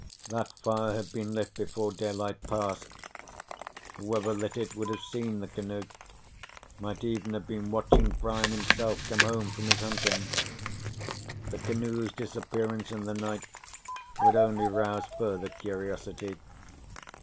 That fire had been lit before daylight passed; whoever lit it would have seen the canoe, might even have been watching Brian himself come home from his hunting. The canoe's disappearance in the night would only rouse further curiosity.